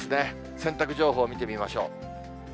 洗濯情報見てみましょう。